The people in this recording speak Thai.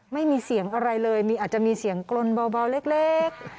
ไม่มีเสียงอะไรเลยอาจจะมีเสียงกลนเบาเล็ก